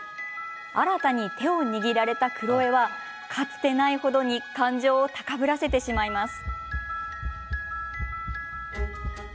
新汰に手を握られたクロエはかつてない程に感情を高ぶらせてしまいます。